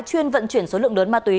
chuyên vận chuyển số lượng lớn ma túy